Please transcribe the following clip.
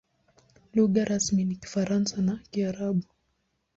Lugha rasmi ni Kifaransa na Kiarabu.